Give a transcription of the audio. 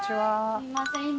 すいません今。